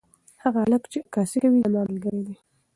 هغه هلک چې عکاسي کوي زما ملګری دی.